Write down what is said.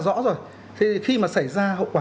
rõ rồi thế khi mà xảy ra hậu quả